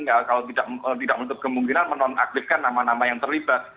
kalau tidak menutup kemungkinan menonaktifkan nama nama yang terlibat